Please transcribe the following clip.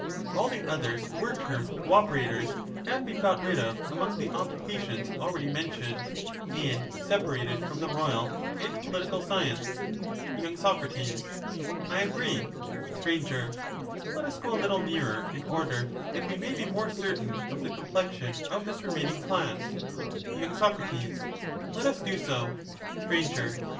All the others, alone who were termed co operators, have been got rid of among ^^jj^g the occupations already mentioned, and separated from the them we royal and political science. must look z . oor. 1 agree. rivals of Str, Let us go a little nearer, in order that we may be the king, more certain of the complexion of this remaining class. y. Soc, Let us do so. Sir.